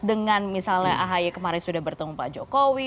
dengan misalnya ahy kemarin sudah bertemu pak jokowi